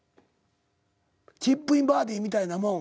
「チップインバーディーみたいなもん」